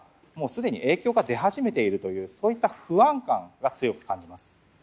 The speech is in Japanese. すでに影響が出始めているという不安感が強く感じます。